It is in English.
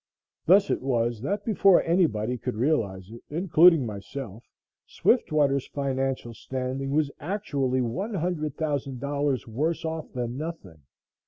Thus it was that before anybody could realize it, including myself, Swiftwater's financial standing actually was $100,000 worse off than nothing.